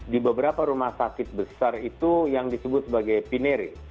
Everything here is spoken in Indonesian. di beberapa rumah sakit besar itu yang disebut sebagai pinere